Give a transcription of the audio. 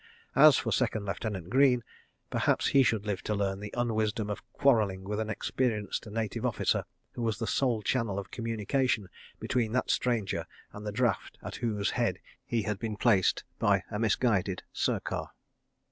As for Second Lieutenant Greene—perhaps he should live to learn the unwisdom of quarrelling with an experienced Native Officer who was the sole channel of communication between that stranger and the Draft at whose head he had been placed by a misguided Sircar.